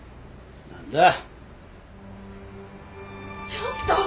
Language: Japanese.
ちょっと！